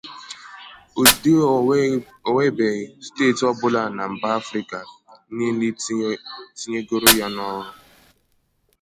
ụdị o nwebeghị steeti ọbụla na mba Africa niile tinyegoro ya n'ọrụ